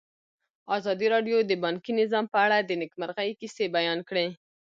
ازادي راډیو د بانکي نظام په اړه د نېکمرغۍ کیسې بیان کړې.